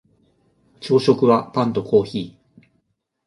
朝食はパンとコーヒー